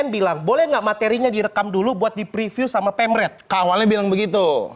bilang boleh nggak materinya direkam dulu buat di preview sama pemret ke awalnya bilang begitu